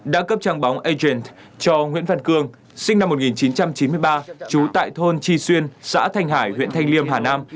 đã cấp trang bóng agent cho nguyễn văn cương sinh năm một nghìn chín trăm chín mươi ba trú tại thôn tri xuyên xã thanh hải huyện thanh liêm hà nam